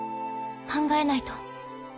考えないと。